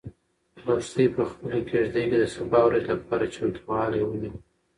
لښتې په خپلې کيږدۍ کې د سبا ورځې لپاره چمتووالی ونیو.